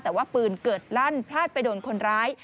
แต่ว่าปืนเกิดลั่นพลาดไปโดนคนร้าย